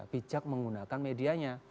bijak menggunakan medianya